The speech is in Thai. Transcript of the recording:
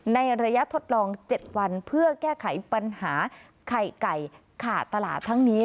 ในระยะทดลอง๗วันเพื่อแก้ไขปัญหาไข่ไก่ขาดตลาดทั้งนี้